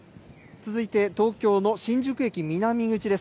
続いて、東京の新宿駅南口です。